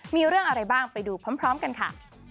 มีเรื่องอะไรบ้างไปดูพร้อมกันค่ะ